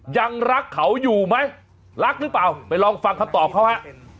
ยังรักเขาอยู่ไหมรักหรือเปล่าไปลองฟังคำตอบเขาฮะ